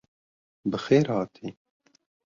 Bi xêr hatî.